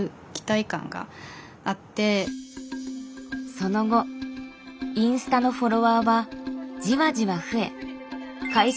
その後インスタのフォロワーはじわじわ増え開始